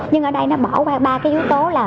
nhưng ở đây nó bỏ qua ba cái yếu tố là